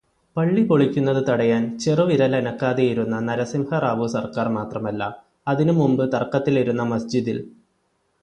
പള്ളിപൊളിക്കുന്നതു തടയാന് ചെറുവിരലനക്കാതെയിരുന്ന നരസിംഹറാവു സര്ക്കാര് മാത്രമല്ല, അതിനുംമുമ്പ് തര്ക്കത്തിലിരുന്ന മസ്ജിദില്